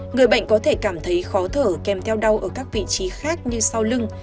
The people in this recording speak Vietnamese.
người bệnh có thể cảm thấy khó thở kèm theo đau ở các vị trí khác như sau lưng